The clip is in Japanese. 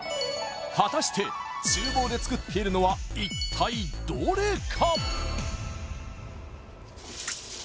果たして厨房で作っているのは一体どれか？